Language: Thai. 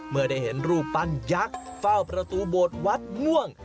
เมื่อได้เห็นรูปปั้นยักษ์เฝ้าประตูโบสถ์วัดม่วง